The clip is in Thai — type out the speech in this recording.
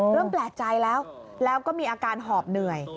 เริ่มแปลกใจแล้วแล้วก็มีอาการหอบเหนื่อย